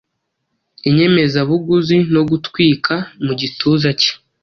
Inyemezabuguzi no gutwika mu gituza cye